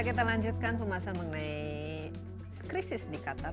kita lanjutkan pembahasan mengenai krisis di qatar